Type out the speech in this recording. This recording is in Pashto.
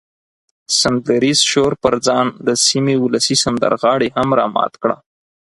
سندریز شور پر ځان د سیمې ولسي سندرغاړي هم را مات کړه.